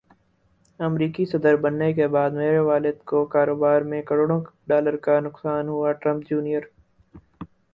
امریکی صدربننے کےبعد میرے والد کوکاروبار میں کروڑوں ڈالر کا نقصان ہوا ٹرمپ جونیئر